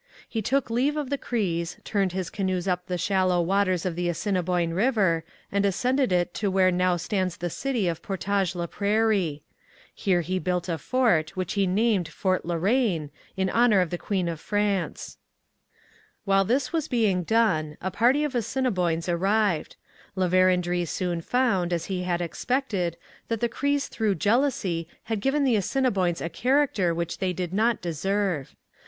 He took leave of the Crees, turned his canoes up the shallow waters of the Assiniboine river, and ascended it to where now stands the city of Portage la Prairie. Here he built a fort, which he named Fort La Reine, in honour of the queen of France. [Illustration: An Indian encampment. From a painting by Paul Kane.] While this was being done, a party of Assiniboines arrived. La Vérendrye soon found, as he had expected, that the Crees through jealousy had given the Assiniboines a character which they did not deserve.